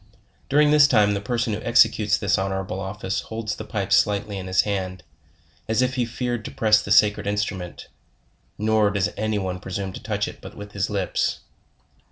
During this time the person who executes this honorable office holds the pipe slightly in his hand, as if he feared to press the sacred instrument; nor does any one presume to touch it but with his lips.